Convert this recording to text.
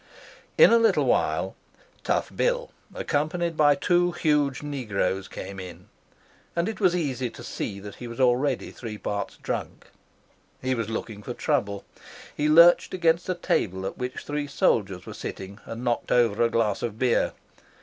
In a little while Tough Bill, accompanied by two huge negroes, came in, and it was easy to see that he was already three parts drunk. He was looking for trouble. He lurched against a table at which three soldiers were sitting and knocked over a glass of beer.